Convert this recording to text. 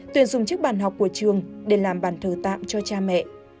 tuyển dụng chiếc bàn học của trường để làm bàn thờ tạm cho cha mẹ